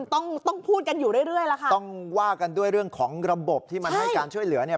ต้องต้องพูดกันอยู่เรื่อยเรื่อยล่ะค่ะต้องว่ากันด้วยเรื่องของระบบที่มันให้การช่วยเหลือเนี่ย